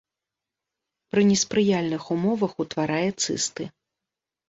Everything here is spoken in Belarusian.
Пры неспрыяльных умовах утварае цысты.